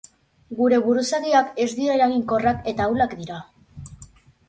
Gure buruzagiak ez dira eraginkorrak eta ahulak dira.